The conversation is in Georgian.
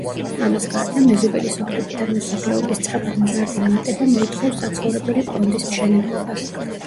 ამას გარდა, მეზობელი სოფლებიდან მოსახლეობის სწრაფად მზარდი მატება მოითხოვს საცხოვრებელი ფონდის მშენებლობას.